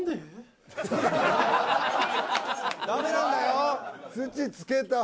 ・ダメなんだよ